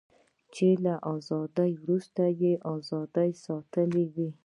چې له ازادۍ وروسته یې ازادي ساتلې وي.